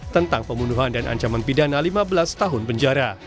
tentang pembunuhan dan ancaman pidana lima belas tahun penjara